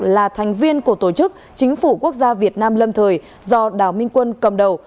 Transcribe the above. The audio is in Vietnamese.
là thành viên của tổ chức chính phủ quốc gia việt nam lâm thời do đào minh quân cầm đầu